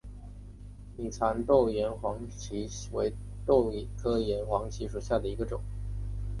拟蚕豆岩黄耆为豆科岩黄耆属下的一个种。